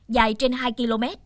dài trên hai km